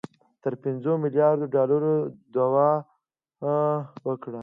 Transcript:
تر پنځو میلیاردو ډالرو دعوه وکړي